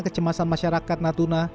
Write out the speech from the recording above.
kecemasan masyarakat natuna